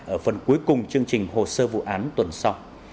ở phần cuối cùng chương trình hồ sơ vụ án tuần sau